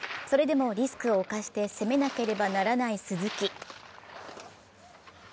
それでもリスクを冒して攻めなければいけない鈴木。